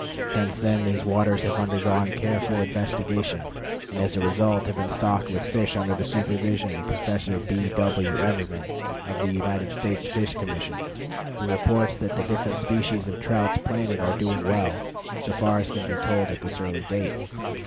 Since then these waters have undergone careful investigation, and, as a result, have been stocked with fish under the supervision of Professor B. W. Evermann, of the United States Fish Commission, who reports that the different species of trout planted are doing well, so far as can be told at this early date.